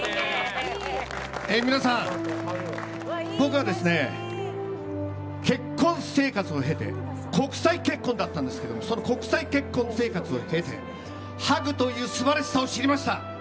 皆さん、僕は結婚生活を経て国際結婚だったんですけどその国際結婚生活を経てハグという素晴らしさを知りました。